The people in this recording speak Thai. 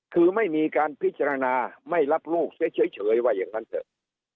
คือไม่มีการพิจารณาไม่รับลูกเสียเฉยว่าอย่างนั้นเถอะ